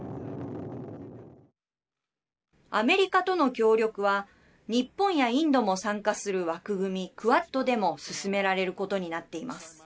アメリカとの協力は日本やインドも参加する枠組み「クアッド」でも進められることになっています。